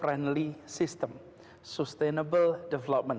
pengembangan yang berkelanjutan